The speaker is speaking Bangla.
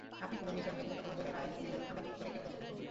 আপনি কোনো মিশনকে গুরুত্বপূর্ণ বলে রায় দিলে আমরা চুপ করে কেউ বসে থাকব না।